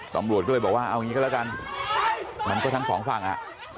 ตำรวจก็เลยบอกว่าเอางี้ก็แล้วกันมันก็ทั้งสองฝั่งอ่ะ